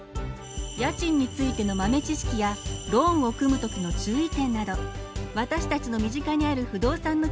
家賃についての豆知識やローンを組む時の注意点など私たちの身近にある不動産の知識が満載です。